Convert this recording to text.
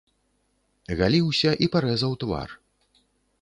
Галіўся і парэзаў твар.